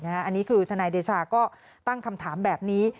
อันนี้คือทนายเดชาก็ตั้งคำถามแบบนี้